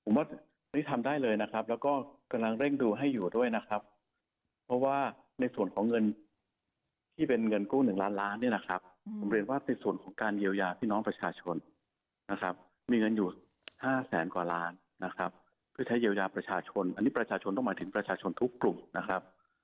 ผมว่านี่ทำได้เลยนะครับแล้วก็กำลังเร่งดูให้อยู่ด้วยนะครับเพราะว่าในส่วนของเงินที่เป็นเงินกู้๑ล้านล้านเนี่ยนะครับผมเรียนว่าในส่วนของการเยียวยาพี่น้องประชาชนนะครับมีเงินอยู่ห้าแสนกว่าล้านนะครับเพื่อใช้เยียวยาประชาชนอันนี้ประชาชนต้องหมายถึงประชาชนทุกกลุ่มนะครับ